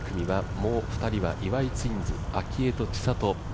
もう２人は岩井ツインズ、明愛と千怜。